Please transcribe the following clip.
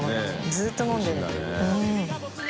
ずっと飲んでる。